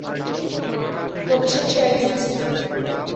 Location share দিচ্ছি।